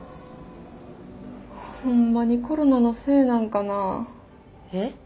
ほんまにコロナのせいなんかな。え？